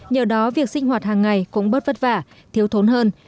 nhờ đó việc sinh hoạt hàng ngày cũng bớt vất vả thiếu thốn hơn